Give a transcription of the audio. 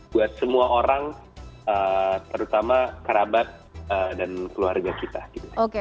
buat semua orang terutama karabat dan keluarga kita